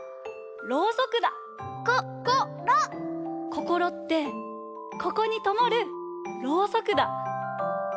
こころってここにともるろうそくだ。